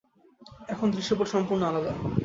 এখন দৃশ্যপট সম্পূর্ণ আলাদা।